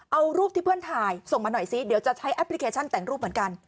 เอารูปที่เพื่อนถ่ายส่งมาหน่อยซิเดี๋ยวจะใช้แอปพลิเคชันแต่งรูปเหมือนกัน